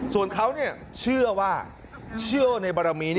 ส่วนเขาเชื่อว่าเชื่อในบารมี